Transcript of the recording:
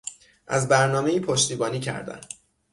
از برنامهای پشتیبانی کردن